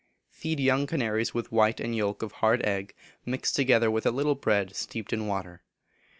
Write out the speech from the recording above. Feed young canaries with white and yolk of hard egg, mixed together with a little bread steeped in water.